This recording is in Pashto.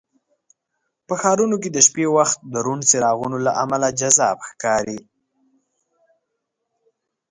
په ښارونو کې د شپې وخت د روڼ څراغونو له امله جذاب ښکاري.